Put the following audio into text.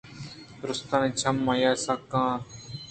دُرٛستانی چم آئی ءَ سکّ اِت اَنت